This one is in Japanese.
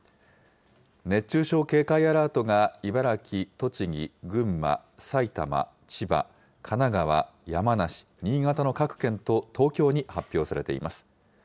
熱中症警戒アラートが茨城、栃木、群馬、埼玉、千葉、神奈川、山梨、新潟の各県と東京に発表されています。